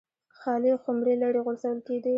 خالي خُمرې لرې غورځول کېدې.